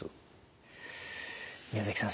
宮崎さん